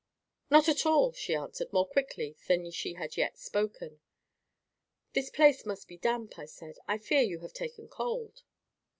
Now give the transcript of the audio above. "Not at all," she answered, more quickly than she had yet spoken. "This place must be damp," I said. "I fear you have taken cold."